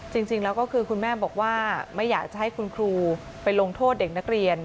จริงแล้วก็คือคุณแม่บอกว่าไม่อยากจะให้คุณครูไปลงโทษเด็กนักเรียน